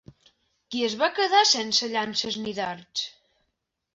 Qui es va quedar sense llances ni dards?